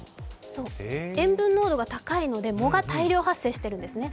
塩分濃度が高いので、藻が大量発生しているんですね。